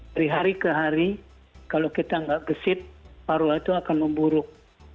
dari hari ke hari kalau kita nggak gesit paruah itu akan memburuk